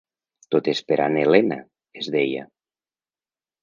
Tot esperant Elena, es deia.